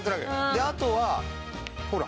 であとはほら。